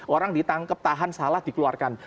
orang ditangkep tahan salah dikeluarkan